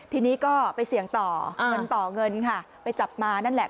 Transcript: ทีนี้ก็ไปเสี่ยงต่อเงินต่อเงินค่ะไปจับมานั่นแหละ